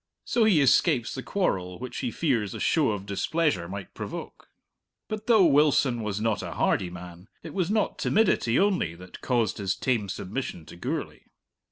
So he escapes the quarrel which he fears a show of displeasure might provoke. But though Wilson was not a hardy man, it was not timidity only that caused his tame submission to Gourlay.